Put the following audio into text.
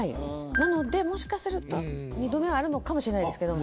なのでもしかすると２度目あるのかもしれないですけど。